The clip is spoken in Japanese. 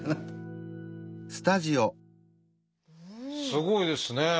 すごいですね。